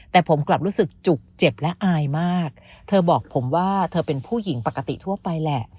แต่ผมกลับรู้สึกจุกเจ็บและอายมากเธอบอกผมว่าเธอเป็นผู้หญิงปกติทั่วไปแหละ